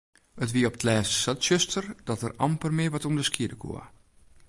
It wie op 't lêst sa tsjuster dat er amper mear wat ûnderskiede koe.